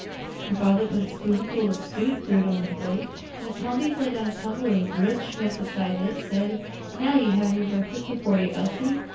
Her father put a spoonful of stewed fruit upon her plate, and as Pompey set down a tumbler of rich milk beside it, said, "Now you have your breakfast before you, Elsie.